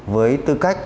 với tư cách